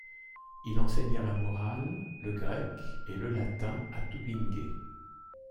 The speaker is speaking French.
Il enseigna la morale, le grec et le latin à Tubingue.